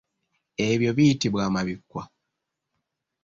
Ebyo biyitibwa amabikwa.